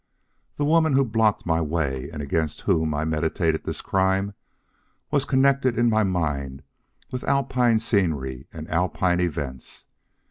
The woman who blocked my way and against whom I meditated this crime was connected in my mind with Alpine scenery and Alpine events.